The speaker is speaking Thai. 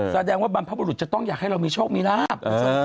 แสดงว่าบรรพบุรุษจะต้องอยากให้เรามีโชคมีลาบ